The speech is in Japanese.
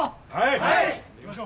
はい！